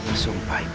aku bersumpah ibu nda